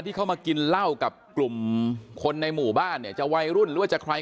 ที่เขามากินเหล้ากับกลุ่มคนในหมู่บ้านเนี่ยจะวัยรุ่นหรือว่าจะใคร